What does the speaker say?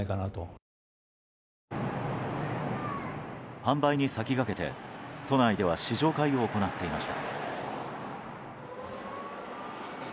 販売に先駆けて、都内では試乗会を行っていました。